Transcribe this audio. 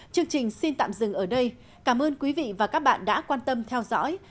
chương trình xin tạm dừng ở đây cảm ơn quý vị và các bạn đã quan tâm theo dõi